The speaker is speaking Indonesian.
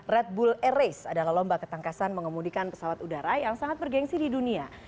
red bull air race adalah lomba ketangkasan mengemudikan pesawat udara yang sangat bergensi di dunia